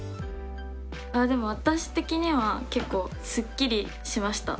でも私的には結構すっきりしました。